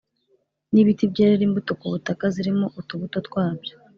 n’ibiti byerere imbuto ku butaka zirimo utubuto twabyo